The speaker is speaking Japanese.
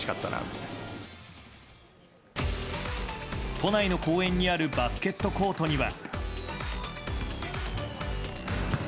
都内の公園にあるバスケットコートには。